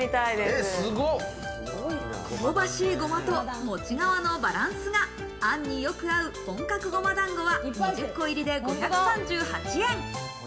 香ばしいごまともち皮のバランスがあんによく合う本格ごま団子は、２０個入りで５３８円。